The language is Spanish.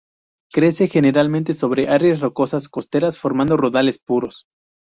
Crece generalmente sobre áreas rocosas costeras formando rodales puros.